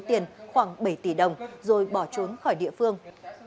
tiền khoảng bảy tỷ đồng rồi bỏ trốn khỏi địa phương